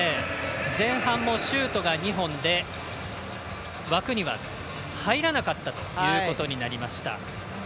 前半もシュートが２本で枠には入らなかったということになりました。